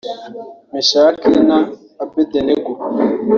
Meshaki na Abedenego